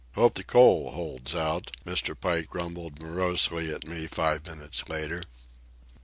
"Hope the coal holds out," Mr. Pike grumbled morosely at me five minutes later.